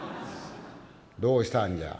「どうしたんじゃ？」。